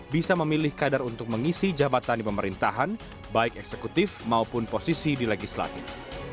bisa memilih kader untuk mengisi jabatan di pemerintahan baik eksekutif maupun posisi di legislatif